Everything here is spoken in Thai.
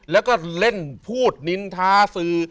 แล้วก็เล่นพูดนินทาสื่อ